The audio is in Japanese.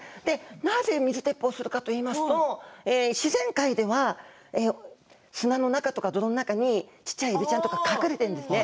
なぜ水鉄砲するかといいますと自然界では砂の中とか泥の中にちっちゃいエビちゃんが隠れているんですね。